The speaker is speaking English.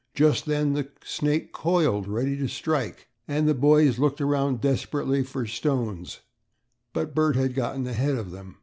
Just then the snake coiled ready to strike and the boys looked around desperately for stones but Bert had gotten ahead of them.